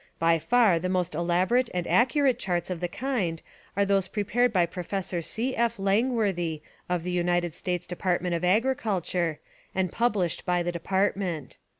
By far the most elaborate and accurate charts of the kind are those prepared by Professor C. F. Lang worthy of the United States Department of Agriculture, and published by the Department.